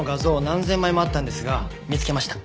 何千枚もあったんですが見つけました。